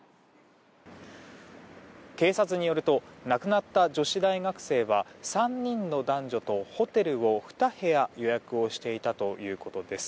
警察によると亡くなった女子大学生は３人の男女とホテルを２部屋予約をしていたということです。